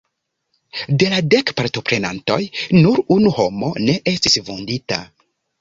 De la dek partoprenantoj, nur unu homo ne estis vundita.